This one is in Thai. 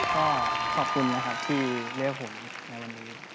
ก็ขอบคุณนะครับที่เรียกผมแม่ละนี้